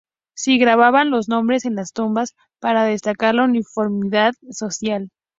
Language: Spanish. Sí grababan los nombres en las tumbas para destacar la uniformidad social.